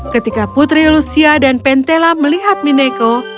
ketika putri lucia dan pentela melihat mineko